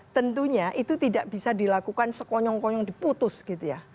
tentunya itu tidak bisa dilakukan sekonyong konyong diputus gitu ya